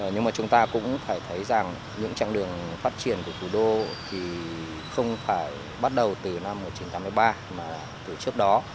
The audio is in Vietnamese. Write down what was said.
nhưng mà chúng ta cũng phải thấy rằng những trạng đường phát triển của thủ đô thì không phải bắt đầu từ năm một nghìn chín trăm tám mươi ba mà từ trước đó